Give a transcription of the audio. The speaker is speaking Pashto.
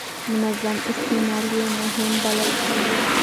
منظم استعمال یې مهم بلل کېږي.